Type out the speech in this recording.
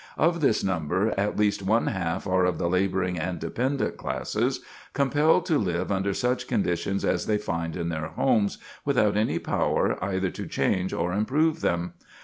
Of this number, at least one half are of the laboring and dependant classes, compelled to live under such conditions as they find in their homes, without any power, either to change or improve them.